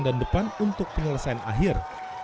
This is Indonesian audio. dan depan untuk penyelesaian akhir